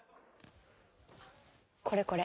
これこれ。